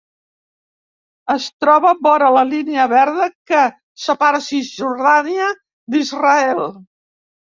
Es troba vora la Línia verda que separa Cisjordània d'Israel.